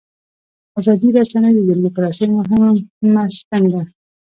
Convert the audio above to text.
ازادې رسنۍ د دیموکراسۍ مهمه ستن ده.